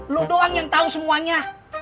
lu doang yang tahu semuanya